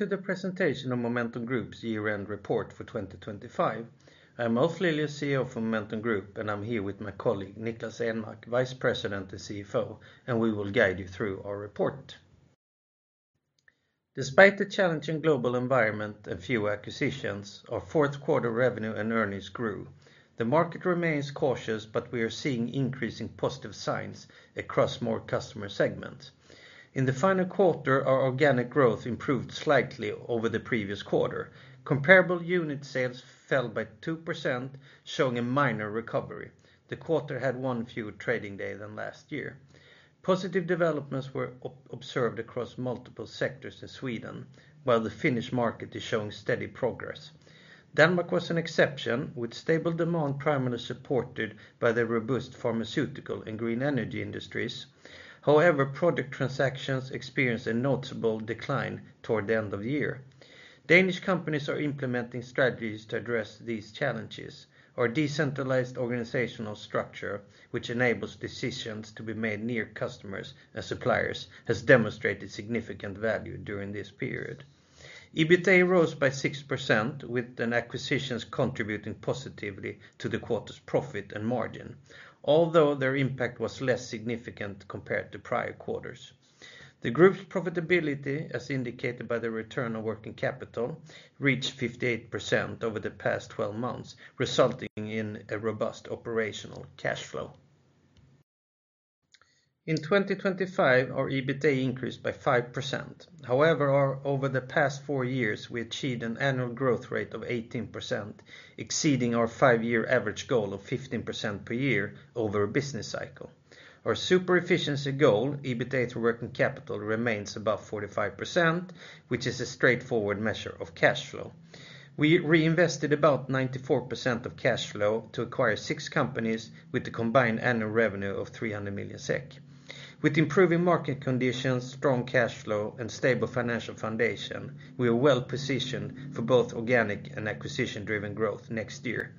to the Presentation of Momentum Group's Year-End Report for 2025. I'm Ulf Lilius, CEO of Momentum Group, and I'm here with my colleague, Niklas Enmark, Vice President and CFO, and we will guide you through our report. Despite the challenging global environment and few acquisitions, our fourth quarter revenue and earnings grew. The market remains cautious, but we are seeing increasing positive signs across more customer segments. In the final quarter, our organic growth improved slightly over the previous quarter. Comparable unit sales fell by 2%, showing a minor recovery. The quarter had one fewer trading day than last year. Positive developments were observed across multiple sectors in Sweden, while the Finnish market is showing steady progress. Denmark was an exception, with stable demand primarily supported by the robust pharmaceutical and green energy industries. However, project transactions experienced a noticeable decline toward the end of the year. Danish companies are implementing strategies to address these challenges. Our decentralized organizational structure, which enables decisions to be made near customers and suppliers, has demonstrated significant value during this period. EBITA rose by 6%, with acquisitions contributing positively to the quarter's profit and margin, although their impact was less significant compared to prior quarters. The group's profitability, as indicated by the return on working capital, reached 58% over the past 12 months, resulting in a robust operational cash flow. In 2025, our EBITA increased by 5%. However, over the past four years, we achieved an annual growth rate of 18%, exceeding our five-year average goal of 15% per year over a business cycle. Our super efficiency goal, EBITA to working capital, remains above 45%, which is a straightforward measure of cash flow. We reinvested about 94% of cash flow to acquire six companies with a combined annual revenue of 300 million SEK. With improving market conditions, strong cash flow, and stable financial foundation, we are well-positioned for both organic and acquisition-driven growth next year.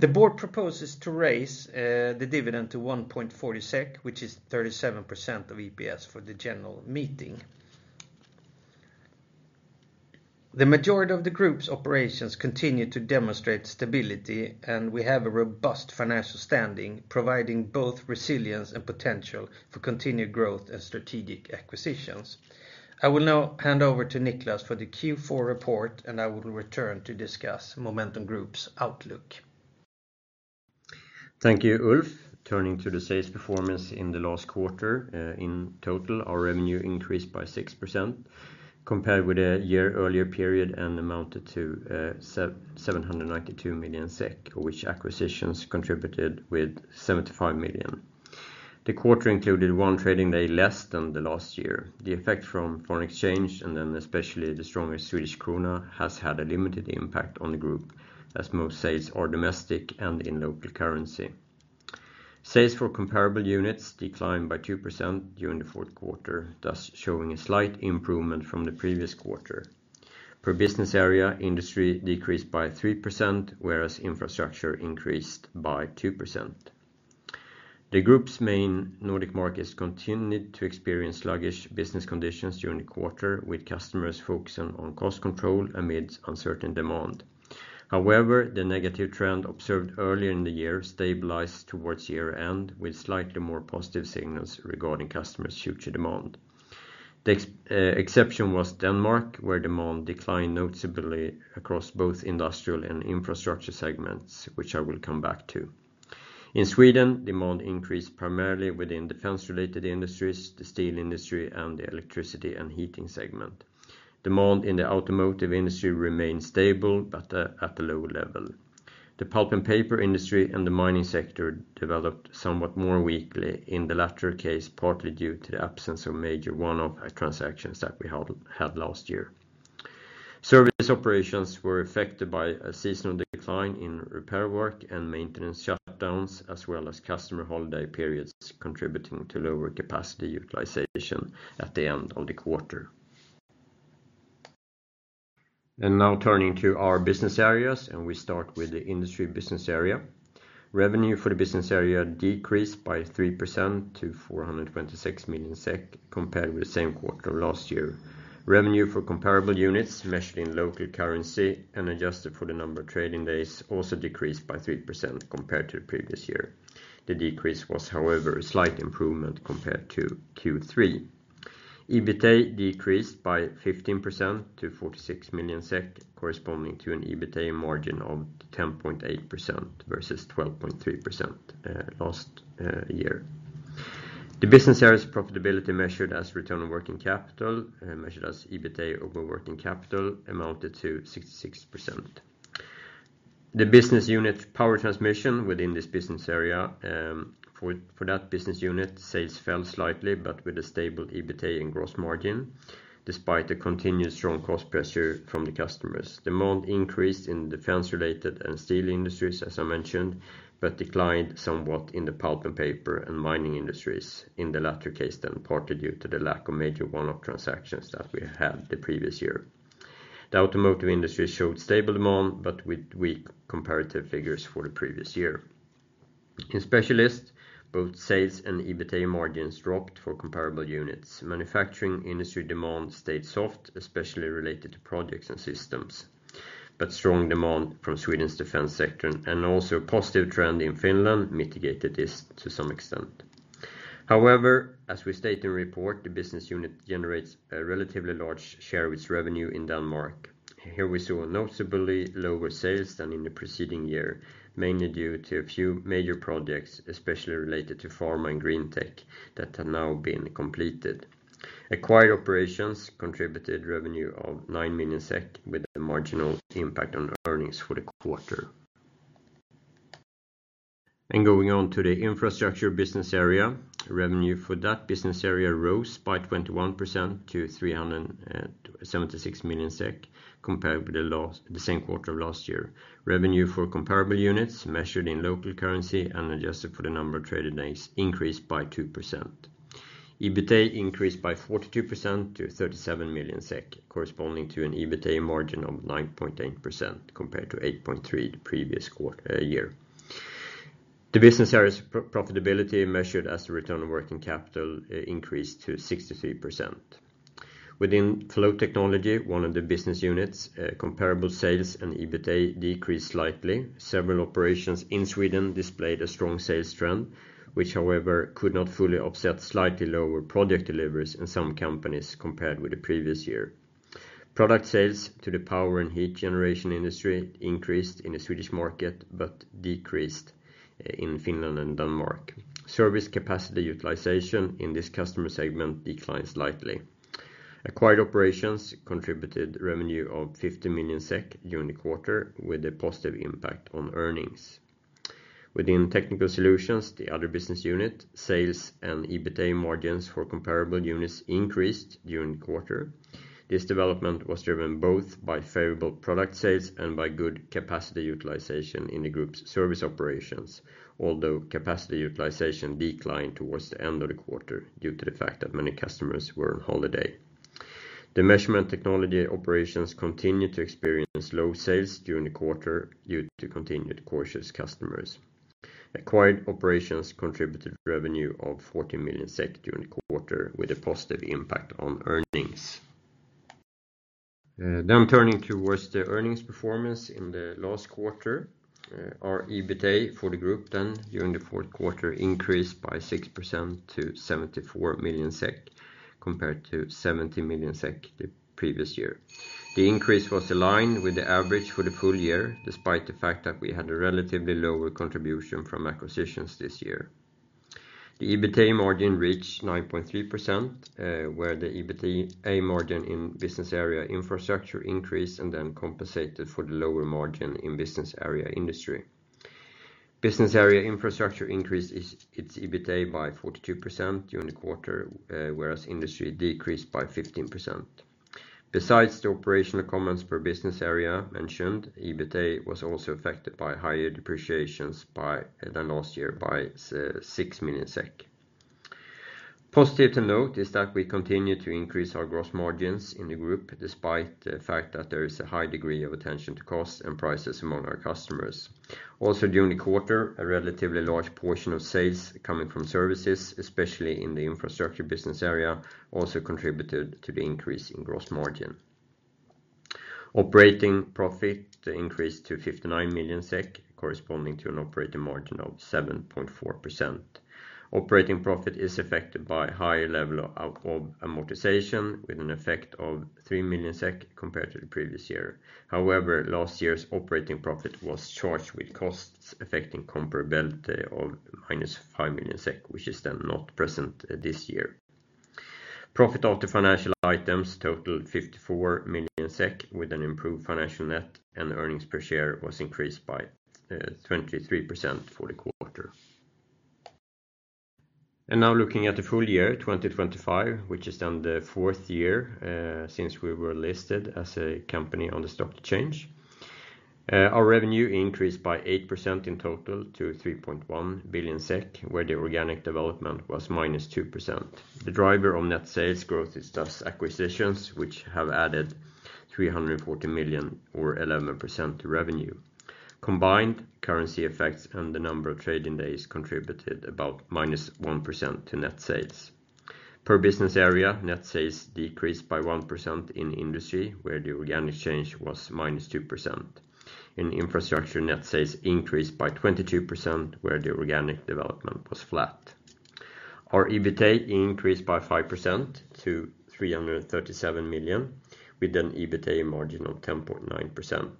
The board proposes to raise the dividend to 1.40 SEK, which is 37% of EPS, for the general meeting. The majority of the group's operations continue to demonstrate stability, and we have a robust financial standing, providing both resilience and potential for continued growth and strategic acquisitions. I will now hand over to Niklas for the Q4 report, and I will return to discuss Momentum Group's outlook. Thank you, Ulf. Turning to the sales performance in the last quarter, in total, our revenue increased by 6% compared with a year earlier period and amounted to 792 million SEK, which acquisitions contributed with 75 million. The quarter included one trading day less than the last year. The effect from foreign exchange, and then especially the stronger Swedish krona, has had a limited impact on the group, as most sales are domestic and in local currency. Sales for comparable units declined by 2% during the fourth quarter, thus showing a slight improvement from the previous quarter. Per business area, Industry decreased by 3%, whereas Infrastructure increased by 2%. The group's main Nordic markets continued to experience sluggish business conditions during the quarter, with customers focusing on cost control amidst uncertain demand. However, the negative trend observed earlier in the year stabilized towards year-end, with slightly more positive signals regarding customers' future demand. The exception was Denmark, where demand declined noticeably across both industrial and Infrastructure segments, which I will come back to. In Sweden, demand increased primarily within defense-related industries, the steel industry, and the electricity and heating segment. Demand in the automotive industry remained stable, but at a low level. The pulp and paper industry and the mining sector developed somewhat more weakly, in the latter case, partly due to the absence of major one-off transactions that we had last year. Service operations were affected by a seasonal decline in repair work and maintenance shutdowns, as well as customer holiday periods contributing to lower capacity utilization at the end of the quarter. Now turning to our business areas, and we start with the industry business area. Revenue for the business area decreased by 3% to 426 million SEK, compared with the same quarter last year. Revenue for comparable units, measured in local currency and adjusted for the number of trading days, also decreased by 3% compared to the previous year. The decrease was, however, a slight improvement compared to Q3. EBITA decreased by 15% to 46 million SEK, corresponding to an EBITA margin of 10.8% versus 12.3% last year. The business area's profitability, measured as return on working capital, measured as EBITA over working capital, amounted to 66%. The business unit Power Transmission within this business area, for that business unit, sales fell slightly, but with a stable EBITA and gross margin, despite the continued strong cost pressure from the customers. Demand increased in defense-related and steel industries, as I mentioned, but declined somewhat in the pulp and paper and mining industries, in the latter case, then partly due to the lack of major one-off transactions that we had the previous year. The automotive industry showed stable demand, but with weak comparative figures for the previous year. In Specialist, both sales and EBITA margins dropped for comparable units. Manufacturing industry demand stayed soft, especially related to projects and systems, but strong demand from Sweden's defense sector and also a positive trend in Finland mitigated this to some extent. However, as we state in the report, the business unit generates a relatively large share of its revenue in Denmark. Here we saw noticeably lower sales than in the preceding year, mainly due to a few major projects, especially related to pharma and green tech, that have now been completed. Acquired operations contributed revenue of 9 million SEK, with a marginal impact on earnings for the quarter. And going on to the Infrastructure business area, revenue for that business area rose by 21% to 376 million SEK, compared with the last, the same quarter of last year. Revenue for comparable units, measured in local currency and adjusted for the number of traded days, increased by 2%. EBITA increased by 42% to 37 million SEK, corresponding to an EBITA margin of 9.8%, compared to 8.3% the previous quarter, year. The business area's pro-profitability, measured as a return on working capital, increased to 63%. Within Flow Technology, one of the business units, comparable sales and EBITA decreased slightly. Several operations in Sweden displayed a strong sales trend, which, however, could not fully offset slightly lower project deliveries in some companies compared with the previous year. Product sales to the power and heat generation industry increased in the Swedish market, but decreased in Finland and Denmark. Service capacity utilization in this customer segment declined slightly. Acquired operations contributed revenue of 50 million SEK during the quarter, with a positive impact on earnings. Within Technical Solutions, the other business unit, sales and EBITA margins for comparable units increased during the quarter. This development was driven both by favorable product sales and by good capacity utilization in the group's service operations, although capacity utilization declined towards the end of the quarter due to the fact that many customers were on holiday. The measurement technology operations continued to experience low sales during the quarter due to continued cautious customers. Acquired operations contributed revenue of 40 million SEK during the quarter, with a positive impact on earnings. Then turning towards the earnings performance in the last quarter, our EBITA for the group then, during the fourth quarter, increased by 6% to 74 million SEK, compared to 70 million SEK the previous year. The increase was aligned with the average for the full year, despite the fact that we had a relatively lower contribution from acquisitions this year. The EBITA margin reached 9.3%, where the EBITA margin in Business Area Infrastructure increased and then compensated for the lower margin in Business Area Industry. Business Area Infrastructure increased its EBITA by 42% during the quarter, whereas industry decreased by 15%. Besides the operational comments per business area mentioned, EBITA was also affected by higher depreciations than last year by 6 million SEK. Positive to note is that we continue to increase our gross margins in the group, despite the fact that there is a high degree of attention to costs and prices among our customers. Also, during the quarter, a relatively large portion of sales coming from services, especially in the Infrastructure business area, also contributed to the increase in gross margin. Operating profit increased to 59 million SEK, corresponding to an operating margin of 7.4%. Operating profit is affected by higher level of amortization, with an effect of 3 million SEK compared to the previous year. However, last year's operating profit was charged with costs affecting comparability of minus 5 million SEK, which is then not present this year. Profit after financial items totaled 54 million SEK, with an improved financial net, and earnings per share was increased by 23% for the quarter. Now looking at the full year 2025, which is then the fourth year since we were listed as a company on the stock exchange. Our revenue increased by 8% in total to 3.1 billion SEK, where the organic development was -2%. The driver of net sales growth is thus acquisitions, which have added 340 million or 11% to revenue. Combined, currency effects and the number of trading days contributed about -1% to net sales. Per business area, net sales decreased by 1% in industry, where the organic change was -2%. In Infrastructure, net sales increased by 22%, where the organic development was flat. Our EBITA increased by 5% to 337 million, with an EBITA margin of 10.9%.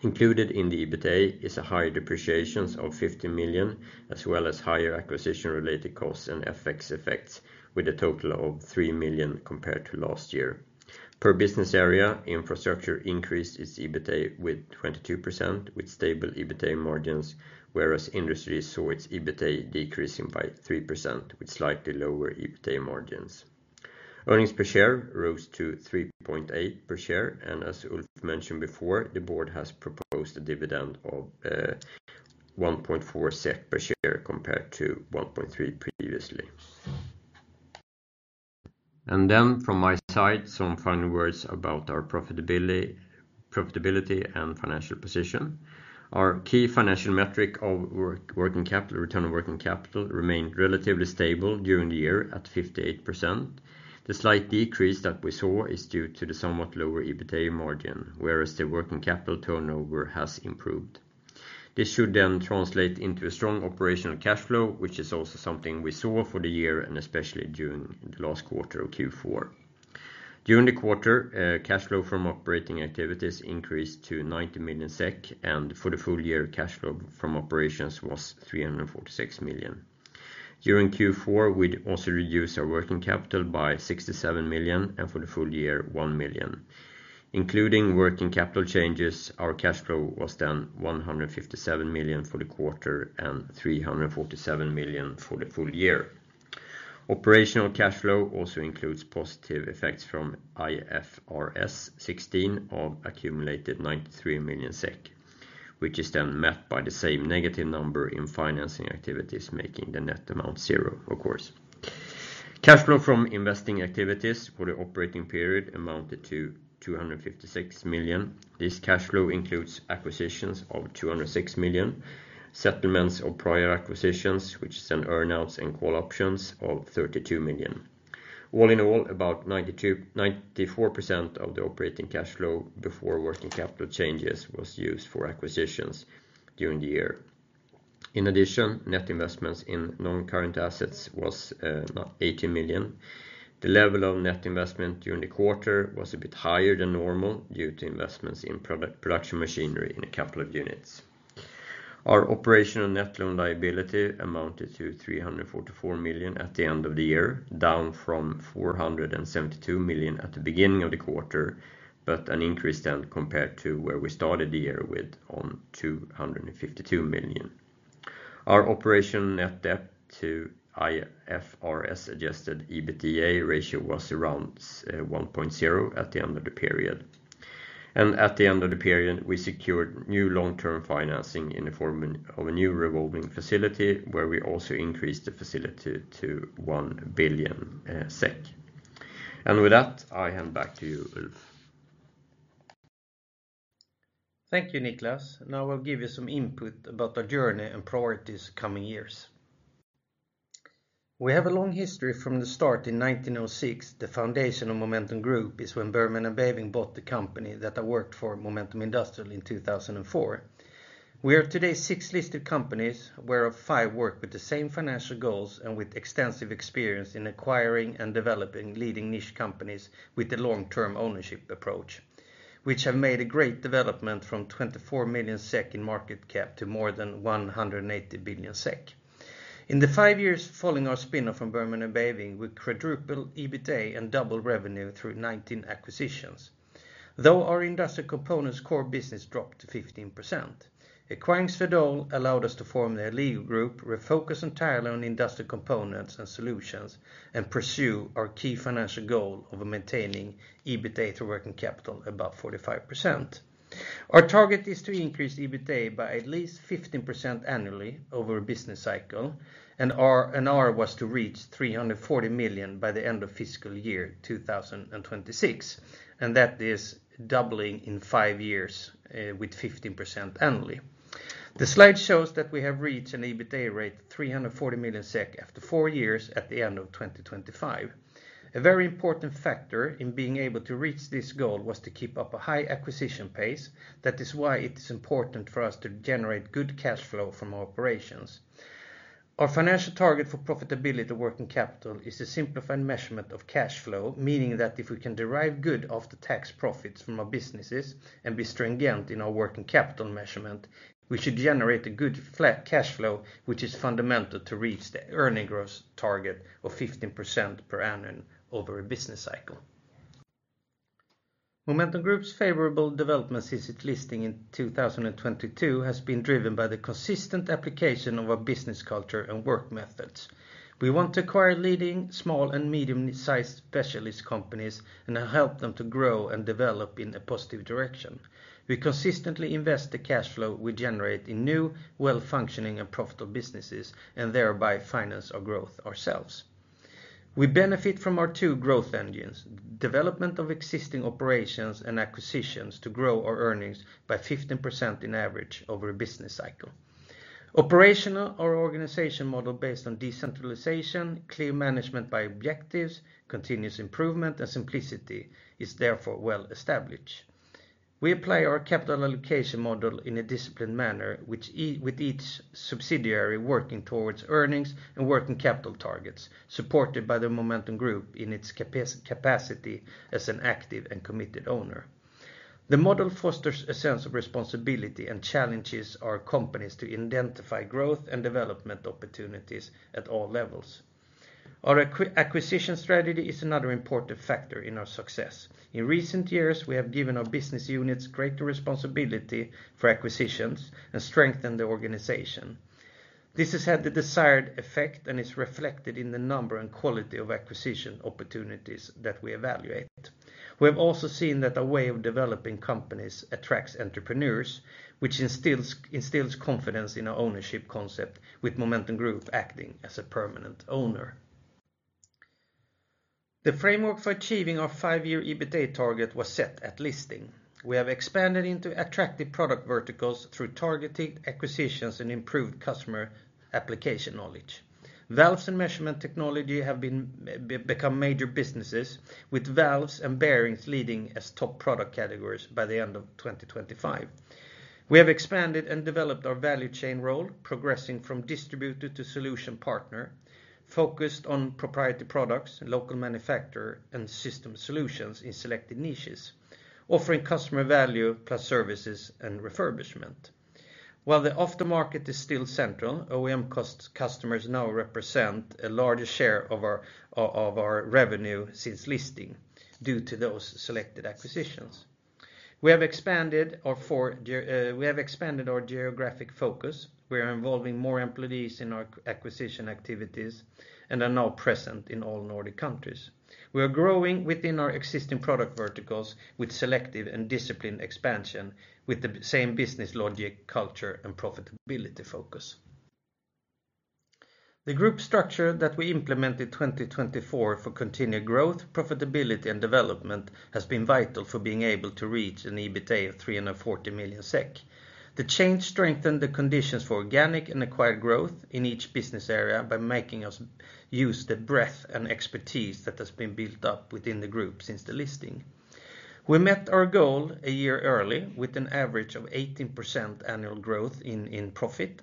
Included in the EBITA is a higher depreciations of 50 million, as well as higher acquisition-related costs and FX effects, with a total of 3 million compared to last year. Per business area, Infrastructure increased its EBITA with 22%, with stable EBITA margins, whereas industry saw its EBITA decreasing by 3%, with slightly lower EBITA margins. Earnings per share rose to 3.8 per share, and as Ulf mentioned before, the board has proposed a dividend of 1.4 SEK per share, compared to 1.3 previously. Then from my side, some final words about our profitability, profitability, and financial position. Our key financial metric of working capital return on working capital remained relatively stable during the year at 58%. The slight decrease that we saw is due to the somewhat lower EBITA margin, whereas the working capital turnover has improved. This should then translate into a strong operational cash flow, which is also something we saw for the year and especially during the last quarter of Q4. During the quarter, cash flow from operating activities increased to 90 million SEK, and for the full year, cash flow from operations was 346 million. During Q4, we'd also reduced our working capital by 67 million, and for the full year, 1 million. Including working capital changes, our cash flow was then 157 million for the quarter and 347 million for the full year. Operational cash flow also includes positive effects from IFRS 16 of accumulated 93 million SEK, which is then met by the same negative number in financing activities, making the net amount zero, of course. Cash flow from investing activities for the operating period amounted to 256 million. This cash flow includes acquisitions of 206 million, settlements of prior acquisitions, which is an earn-outs and call options of 32 million. All in all, about 92%-94% of the operating cash flow before working capital changes was used for acquisitions during the year. In addition, net investments in non-current assets was net 80 million. The level of net investment during the quarter was a bit higher than normal due to investments in production machinery in a couple of units. Our operational net loan liability amounted to 344 million at the end of the year, down from 472 million at the beginning of the quarter, but an increase then compared to where we started the year with on 252 million. Our operational net debt to IFRS-adjusted EBITA ratio was around 1.0x at the end of the period. And at the end of the period, we secured new long-term financing in the form of a new revolving facility, where we also increased the facility to 1 billion SEK. And with that, I hand back to you, Ulf. Thank you, Niklas. Now I'll give you some input about our journey and priorities coming years. We have a long history from the start in 1906. The foundation of Momentum Group is when Bergman & Beving bought the company that I worked for, Momentum Industrial, in 2004. We are today six listed companies, whereof five work with the same financial goals and with extensive experience in acquiring and developing leading niche companies with a long-term ownership approach, which have made a great development from 24 million SEK in market cap to more than 180 billion SEK. In the five years following our spinoff from Bergman & Beving, we quadruple EBITA and double revenue through 19 acquisitions. Though our industrial components core business dropped to 15%, acquiring Swedol allowed us to form the Alligo Group, refocus entirely on industrial components and solutions, and pursue our key financial goal of maintaining EBITA to working capital above 45%. Our target is to increase EBITA by at least 15% annually over a business cycle, and our goal was to reach 340 million by the end of fiscal year 2026, and that is doubling in five years, with 15% annually. The slide shows that we have reached an EBITA rate, 340 million SEK, after four years at the end of 2025. A very important factor in being able to reach this goal was to keep up a high acquisition pace. That is why it is important for us to generate good cash flow from our operations. Our financial target for profitability to working capital is a simplified measurement of cash flow, meaning that if we can derive good after-tax profits from our businesses and be stringent in our working capital measurement, we should generate a good flat cash flow, which is fundamental to reach the earning growth target of 15% per annum over a business cycle. Momentum Group's favorable development since its listing in 2022 has been driven by the consistent application of our business culture and work methods. We want to acquire leading small and medium-sized specialist companies and help them to grow and develop in a positive direction. We consistently invest the cash flow we generate in new, well-functioning, and profitable businesses, and thereby finance our growth ourselves. We benefit from our two growth engines, development of existing operations and acquisitions to grow our earnings by 15% in average over a business cycle. Operationally, our organization model based on decentralization, clear management by objectives, continuous improvement, and simplicity is therefore well established. We apply our capital allocation model in a disciplined manner, which with each subsidiary working towards earnings and working capital targets, supported by the Momentum Group in its capacity as an active and committed owner. The model fosters a sense of responsibility and challenges our companies to identify growth and development opportunities at all levels. Our acquisition strategy is another important factor in our success. In recent years, we have given our business units greater responsibility for acquisitions and strengthened the organization. This has had the desired effect and is reflected in the number and quality of acquisition opportunities that we evaluate... We have also seen that a way of developing companies attracts entrepreneurs, which instills confidence in our ownership concept, with Momentum Group acting as a permanent owner. The framework for achieving our five-year EBITA target was set at listing. We have expanded into attractive product verticals through targeted acquisitions and improved customer application knowledge. Valves and measurement technology have become major businesses, with valves and bearings leading as top product categories by the end of 2025. We have expanded and developed our value chain role, progressing from distributor to solution partner, focused on proprietary products, local manufacturer, and system solutions in selected niches, offering customer value plus services and refurbishment. While the after market is still central, OEM customers now represent a larger share of our revenue since listing due to those selected acquisitions. We have expanded our for ge-- We have expanded our geographic focus. We are involving more employees in our acquisition activities and are now present in all Nordic countries. We are growing within our existing product verticals with selective and disciplined expansion, with the same business logic, culture, and profitability focus. The group structure that we implemented in 2024 for continued growth, profitability, and development has been vital for being able to reach an EBITA of 340 million SEK. The change strengthened the conditions for organic and acquired growth in each business area by making us use the breadth and expertise that has been built up within the group since the listing. We met our goal a year early, with an average of 18% annual growth in profit,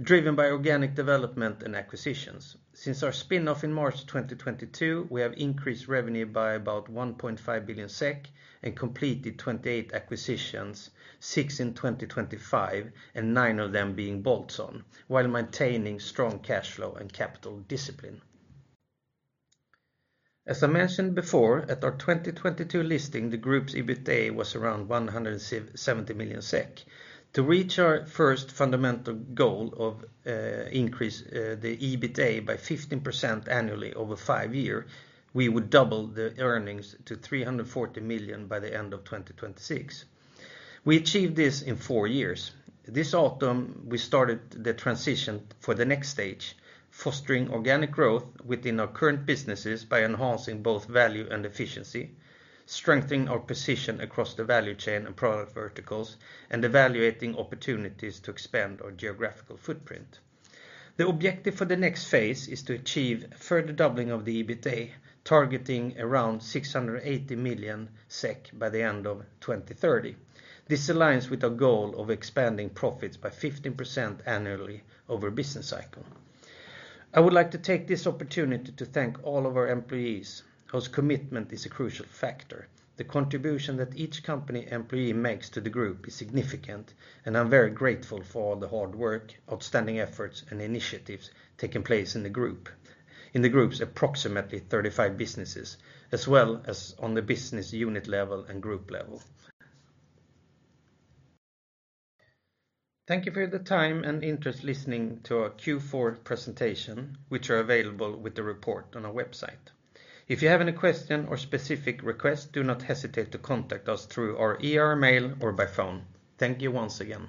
driven by organic development and acquisitions. Since our spin-off in March 2022, we have increased revenue by about 1.5 billion SEK and completed 28 acquisitions, six in 2025, and nine of them being bolt-ons, while maintaining strong cash flow and capital discipline. As I mentioned before, at our 2022 listing, the group's EBITA was around 170 million SEK. To reach our first fundamental goal of increase the EBITA by 15% annually over five year, we would double the earnings to 340 million by the end of 2026. We achieved this in four years. This autumn, we started the transition for the next stage, fostering organic growth within our current businesses by enhancing both value and efficiency, strengthening our position across the value chain and product verticals, and evaluating opportunities to expand our geographical footprint. The objective for the next phase is to achieve further doubling of the EBITA, targeting around 680 million SEK by the end of 2030. This aligns with our goal of expanding profits by 15% annually over a business cycle. I would like to take this opportunity to thank all of our employees, whose commitment is a crucial factor. The contribution that each company employee makes to the group is significant, and I'm very grateful for all the hard work, outstanding efforts, and initiatives taking place in the group, in the group's approximately 35 businesses, as well as on the business unit level and group level. Thank you for the time and interest listening to our Q4 presentation, which are available with the report on our website. If you have any question or specific request, do not hesitate to contact us through our IR mail or by phone. Thank you once again.